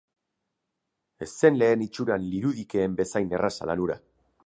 Ez zen lehen itxuran lirudikeen bezain erraza lan hura.